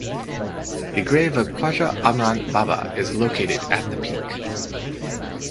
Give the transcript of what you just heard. The grave of Khwaja Amran Baba is located at the peak.